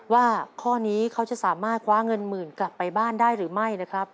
ว่าข้อนี้เขาจะสามารถคว้าเงินหมื่นกลับไปบ้านได้หรือไม่นะครับ